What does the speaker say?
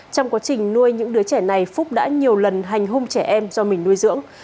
trong quá trình nuôi những đứa trẻ này phúc đã nhiều lần hành hung trẻ em do mình nuôi dưỡng